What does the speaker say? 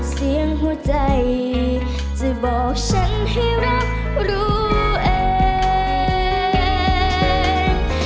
เสียงหัวใจจะบอกฉันให้รับรู้เอง